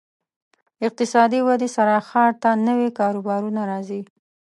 اقتصادي ودې سره ښار ته نوي کاروبارونه راځي.